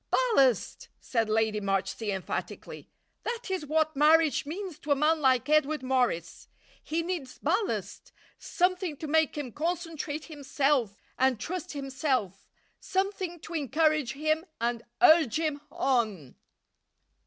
"Ballast," said Lady Marchsea, emphatically, "that is what marriage means to a man like Edward Morris. He needs ballast; something to make him concentrate himself and trust himself; something to encourage him and urge him on."